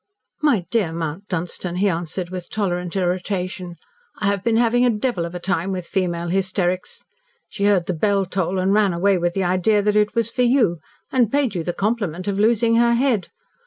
"My dear Mount Dunstan," he answered with tolerant irritation, "I have been having a devil of a time with female hysterics. She heard the bell toll and ran away with the idea that it was for you, and paid you the compliment of losing her head.